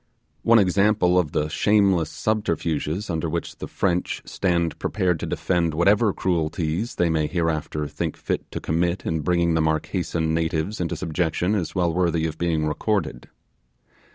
One example of the shameless subterfuges under which the French stand prepared to defend whatever cruelties they may hereafter think fit to commit in bringing the Marquesan natives into subjection is well worthy of being recorded.